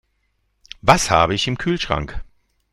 Was habe ich im Kühlschrank?